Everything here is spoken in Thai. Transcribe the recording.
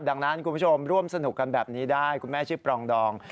ดังนั้นคุณผู้ชมร่วมสนุกกันแบบนี้ได้คุณแม่ชื่อปรองดอง